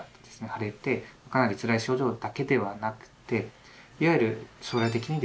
腫れてかなりつらい症状だけではなくていわゆる将来的にですね